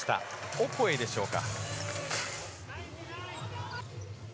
オコエでしょうか。